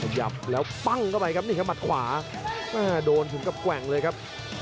ขยับแล้วปั้งเข้าไปครับนี่ครับมัดขวาโดนถึงกับแกว่งเลยครับ